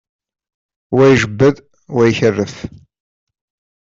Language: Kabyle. Wa ijebbed, wa ikerref.